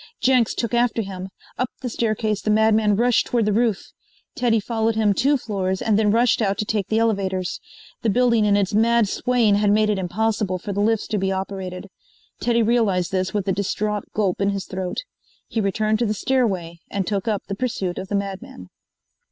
Jenks took after him. Up the staircase the madman rushed toward the roof. Teddy followed him two floors and then rushed out to take the elevators. The building in its mad swaying had made it impossible for the lifts to be operated. Teddy realized this with a distraught gulp in his throat. He returned to the stairway and took up the pursuit of the madman.